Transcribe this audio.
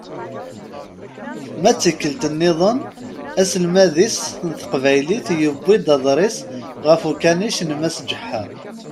Ma d tikkelt-nniḍen, aselmad-is n teqbaylit, yewwi-d aḍris ɣef ukanic n Mass Ǧeḥḥa.